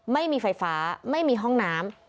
ไม่มีไฟฟ้าไม่มีห้องน้ำ